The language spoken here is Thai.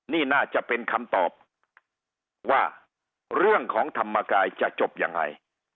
นี่น่าจะเป็นคำตอบว่าเรื่องของธรรมกายจะจบยังไง